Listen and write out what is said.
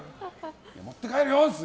持って帰ってよ！